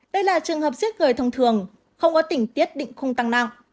đây là trường hợp giết người thông thường không có tình tiết định không tăng nặng